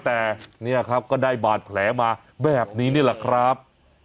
แต่เนี่ยครับก็ได้บาดแผลมาแบบนี้นี่แหละครับ